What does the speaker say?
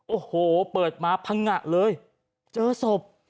โอ้โหเปิดมาพังงะเลยเจอศพ